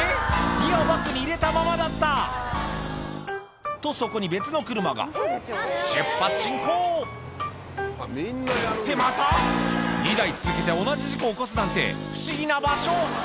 ギアをバックに入れたままだった」とそこに別の車が「出発進行」ってまた⁉２台続けて同じ事故を起こすなんて不思議な場所